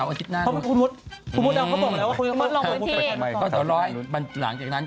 พี่หนุ่มไปอย่างมก้าวพรุ่งนี้